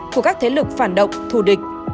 của các thế lực phản động thù địch